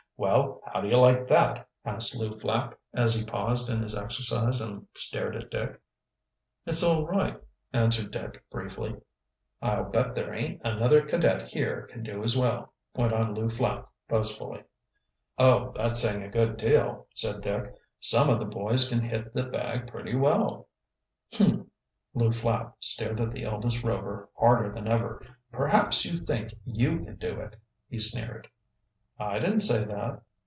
"Well, how do you like that?" asked Lew Flapp, as he paused in his exercise and stared at Dick. "It's all right," answered Dick briefly. "I'll bet there ain't another cadet here can do as well," went on Lew Flapp boastfully. "Oh, that's saying a good deal," said Dick. "Some of the boys can hit the bag pretty well." "Humph!" Lew Flapp stared at the eldest Rover harder than ever. "Perhaps you think you can do it," he sneered. "I didn't say that."